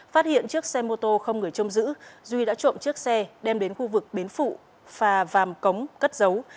phát hiện chiếc xe mô tô không người chôm giữ duy đã trộm chiếc xe đem đến khu vực bến phụ phà vàm cống cất dấu